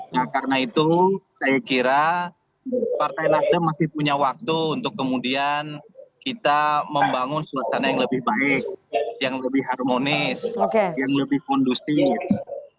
nah karena itu saya kira partai nasdem masih punya waktu untuk kemudian kita membangun suasana yang lebih baik yang lebih harmonis yang lebih kondusif